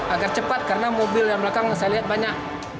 agar cepat karena mobil yang belakang saya lihat banyak